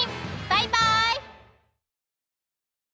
バイバイ！